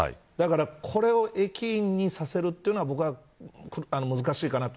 だからこれを駅員にさせるというのは僕は難しいかなと。